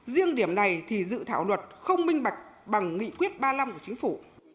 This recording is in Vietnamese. riêng điểm này thì dự thảo luật không minh bạch bằng nghị quyết ba mươi năm của chính phủ